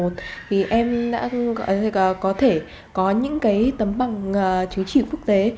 thì có thể có những cái tấm bằng chứng chỉ quốc tế